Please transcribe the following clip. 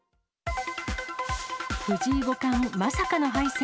藤井五冠、まさかの敗戦。